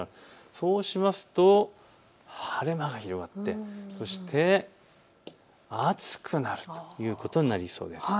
そうすると晴れ間が広がってそして暑くなるということになりそうです。